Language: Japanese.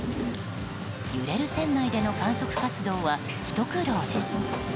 揺れる船内での観測活動はひと苦労です。